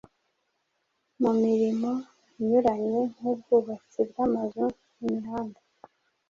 mu mirimo inyuranye nk’ubwubatsi bw’amazu n’imihanda